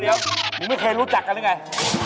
เดี๋ยวผมไม่เคยรู้จักกันหรือไง